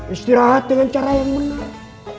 istirahat dengan cara yang benar